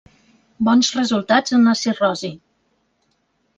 Bons resultats en la cirrosi.